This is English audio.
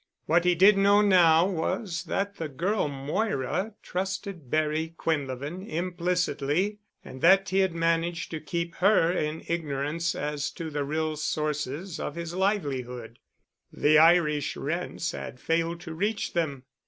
What he did know now was that the girl Moira trusted Barry Quinlevin implicitly and that he had managed to keep her in ignorance as to the real sources of his livelihood. The Irish rents had failed to reach them!